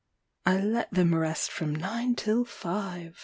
I let them rest from nine till five.